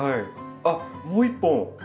あっもう一本？